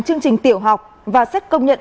chương trình tiểu học và xét công nhận